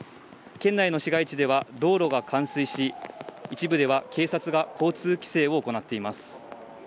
県内の市街地では、道路が冠水し、一部では警察が交通規制を行っています。